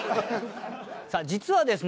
さあ実はですね